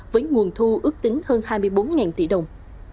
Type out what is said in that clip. với nguồn thu ước tính hơn hai mươi bốn tỷ đồng